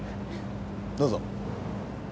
どうぞ。